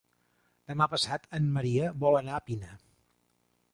Demà passat en Maria vol anar a Pina.